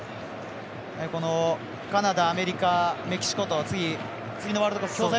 カナダ、アメリカ、メキシコと次のワールドカップ。